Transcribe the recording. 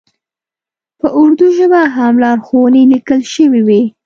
په اردو ژبه هم لارښوونې لیکل شوې وې.